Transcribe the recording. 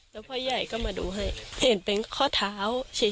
แล้วพ่อใหญ่ก็มาดูให้เห็นเป็นข้อเท้าชี้